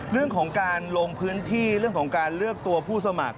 เรื่องของการลงพื้นที่เรื่องของการเลือกตัวผู้สมัคร